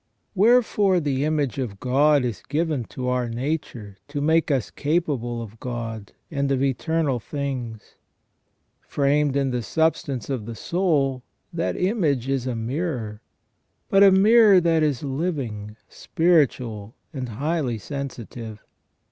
Wherefore the image of God is given to our nature to make us capable of God, and of eternal things. Framed in the substance of the soul, that image is a mirror, but a mirror that is living, spiritual, and highly sensitive.